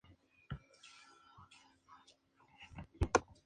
El pragmatismo enfatiza la conexión entre el pensamiento y la acción.